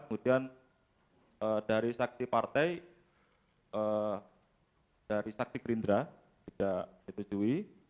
kemudian dari saksi partai dari saksi gerindra tidak setujui